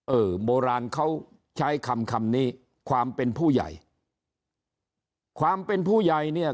เออโบราณเขาใช้คำคำนี้ความเป็นผู้ใหญ่ความเป็นผู้ใหญ่เนี่ย